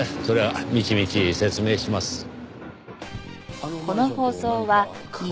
それは道々説明します。